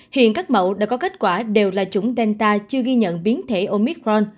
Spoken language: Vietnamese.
hiện các mẫu đã có kết quả đều là chủng delta chưa ghi nhận biến thể omicron